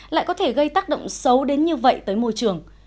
lại có thể gây tác động xấu đến như vậy tới môi trường